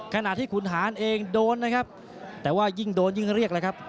ขณะที่ขุนหารเองโดนนะครับแต่ว่ายิ่งโดนยิ่งเรียกแล้วครับ